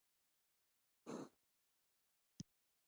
خپله ونډه پوره کړم.